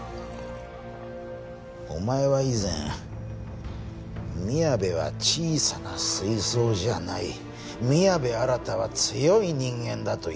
お前は以前みやべは小さな水槽じゃない宮部新は強い人間だと言ったな。